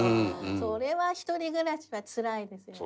それは１人暮らしはつらいですよね。